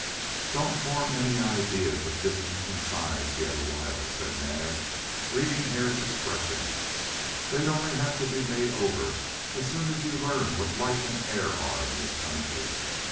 "Don't form any ideas of distance and size yet a while," said Naab, reading Hare's expression. "They'd only have to be made over as soon as you learn what light and air are in this country.